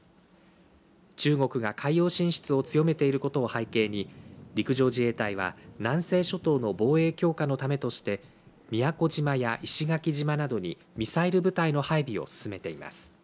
中国が海洋進出を強めていることを背景に陸上自衛隊は南西諸島の防衛強化のためとして宮古島や石垣島などにミサイル部隊の配備を進めています。